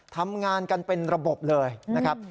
ทำงานกันเป็นระบบเลยนะครับ